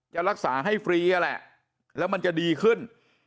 จะรักษาให้ฟรีนั่นแหละแล้วมันจะดีขึ้น